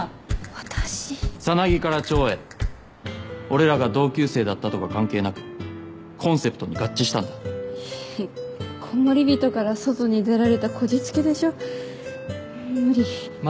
私サナギからチョウヘ俺らが同級生だったとか関係なくコンセプトに合致したんだコモリビトから外に出られたこじつけでしょ無理ま